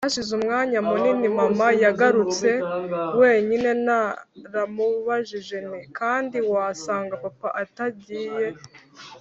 Hashize umwanya munini mama yagarutse wenyine naramubajije nti kandi wasanga papa atagiye